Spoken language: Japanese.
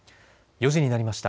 ４時になりました。